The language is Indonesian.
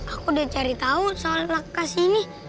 aku udah cari tau soal lakas ini